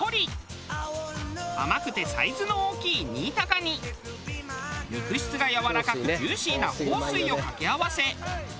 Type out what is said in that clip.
甘くてサイズの大きい新高に肉質がやわらかくジューシーな豊水をかけ合わせ